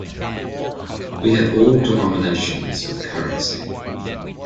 We have all denominations of currency.